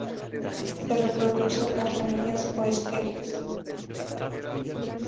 Se reproduce por semillas o esquejes.